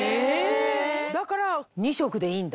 だから２色でいいんだ。